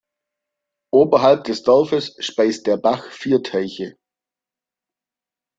Oberhalb des Dorfes speist der Bach vier Teiche.